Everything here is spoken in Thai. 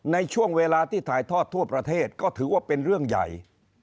ในช่วงเวลาที่ถ่ายทอดทั่วประเทศก็ถือว่าเป็นเรื่องใหญ่